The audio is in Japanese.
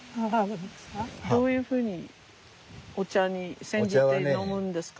どういうふうにお茶に煎じて飲むんですか？